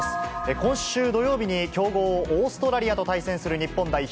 今週土曜日に強豪、オーストラリアと対戦する日本代表。